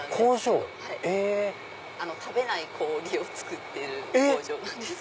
食べない氷を作っている工場です。